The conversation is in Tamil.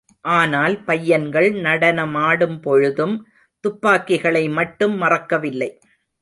ஆனால் பையன்கள் நடனமாடும் பொழுதும் துப்பாக்கிகளை மட்டும் மறக்கவில்லை.